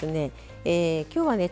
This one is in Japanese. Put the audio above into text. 今日はね